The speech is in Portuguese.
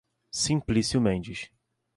Simplício Mendes